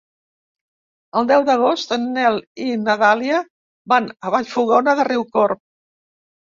El deu d'agost en Nel i na Dàlia van a Vallfogona de Riucorb.